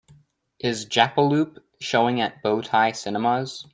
Is Jappeloup showing at Bow Tie Cinemas